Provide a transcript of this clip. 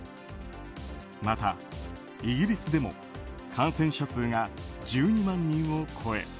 また、イギリスでも感染者数が１２万人を超え